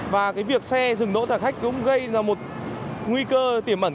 và cái việc xe dừng đỗ trả khách cũng gây ra một nguy cơ tiềm ẩn